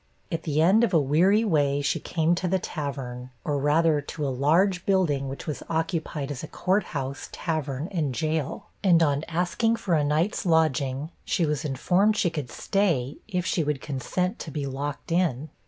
At the end of a weary way, she came to the tavern, or rather, to a large building, which was occupied as a court house, tavern, and jail, and on asking for a night's lodging, was informed she could stay, if she would consent to be locked in.